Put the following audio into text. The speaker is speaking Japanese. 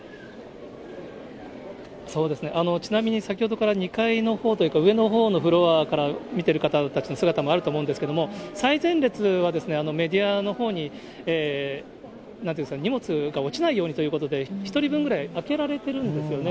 そうですね、ちなみに先ほどから、２階のほうというか上のフロアから見てる方たちの姿もあると思うんですけども、最前列はメディアのほうに、なんていうんですか、荷物が落ちないようにということで、１人分ぐらいあけられてるんですよね。